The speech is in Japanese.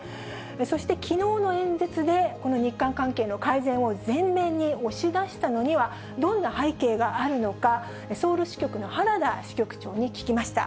そして、きのうの演説で、この日韓関係の改善を前面に押し出したのには、どんな背景があるのか、ソウル支局の原田支局長に聞きました。